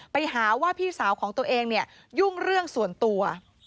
ไปหาว่าพี่สาวของตัวเองเนี่ยยุ่งเรื่องส่วนตัว